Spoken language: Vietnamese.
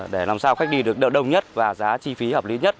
để làm sao khách đi được đỡ đông nhất và giá chi phí hợp lý nhất